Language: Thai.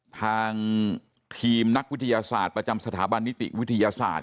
ทางทีมนักวิทยาศาสตร์ประจำสถาบันนิติวิทยาศาสตร์